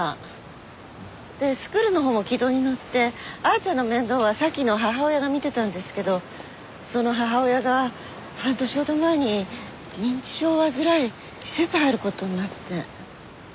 スクールのほうも軌道に乗って亜矢ちゃんの面倒は沙希の母親が見てたんですけどその母親が半年ほど前に認知症を患い施設入る事になって。